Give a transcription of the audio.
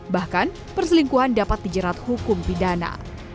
bahkan perselingkuhan dapat dijerat hukum pidana